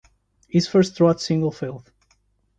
His first trot single failed.